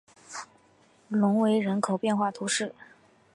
隆维人口变化图示